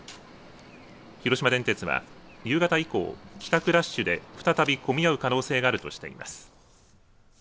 広島電鉄は、夕方以降帰宅ラッシュで再び混み合う可能性があるとしています。